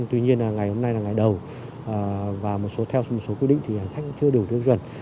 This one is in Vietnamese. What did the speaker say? tuy nhiên là ngày hôm nay là ngày đầu và theo một số quy định thì hành khách chưa đủ tiêu chuẩn